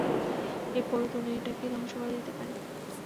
এটা পুরো দুনিয়াটাকেই ধ্বংস করে দিতে পারে!